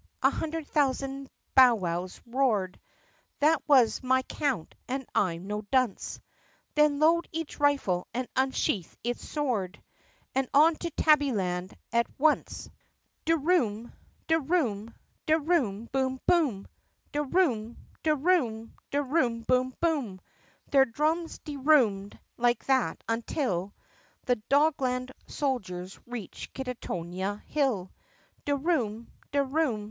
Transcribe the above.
a hundred thousand bowwows roared. (That was my count and I 'm no dunce.) "Then load each rifle and unsheathe each sword And on to Tabbyland at once!" 123 124 THE PUSSYCAT PRINCESS ii De room ! de room! de room ! boom! boom ! De room! de room! de room! boom! boom! Their drums de roomed like that until The Dogland soldiers reached Kittonia Hill. De room! de room!